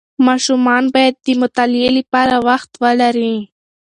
ماشومان باید د مطالعې لپاره وخت ولري.